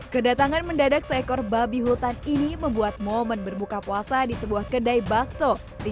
kedatangan mendadak seekor babi hutan ini membuat momen berbuka puasa di sebuah kedai bakso di